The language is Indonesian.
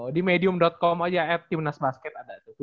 di medium com aja at timnas basket ada tuh